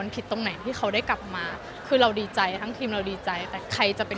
ผิดตรงไหนที่เขาได้กลับมาคือเราดีใจทั้งทีมเราดีใจแต่ใครจะเป็น